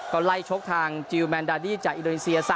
ก็ไล่ชกทางจิลแมนดาดี้จากอินโดนีเซีย